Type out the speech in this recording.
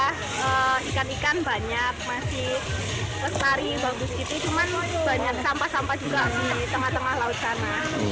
karena ikan ikan banyak masih lestari bagus gitu cuman banyak sampah sampah juga di tengah tengah laut sana